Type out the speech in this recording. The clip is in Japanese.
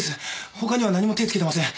他には何も手つけてません！